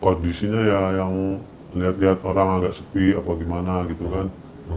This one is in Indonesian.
kondisinya ya yang lihat lihat orang agak sepi apa gimana gitu kan